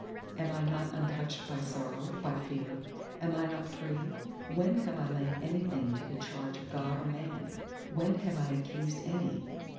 am I not untouched by sorrow, by fear? am I not free? ... when have I laid anything to the charge of God or Man? when have I accused any?